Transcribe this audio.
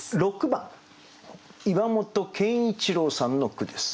６番岩本健一郎さんの句です。